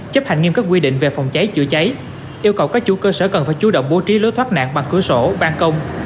chấp hành nghiêm các quy định về phòng cháy chữa cháy yêu cầu các chủ cơ sở cần phải chú động bố trí lối thoát nạn bằng cửa sổ bàn công